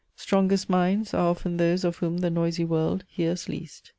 Strongest minds Are often those of whom the noisy world Hears least."